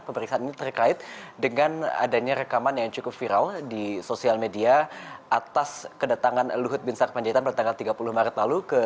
pemeriksaan ini terkait dengan adanya rekaman yang cukup viral di sosial media atas kedatangan luhut bin sarpanjaitan pada tanggal tiga puluh maret lalu